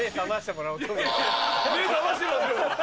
目覚ましてますよ。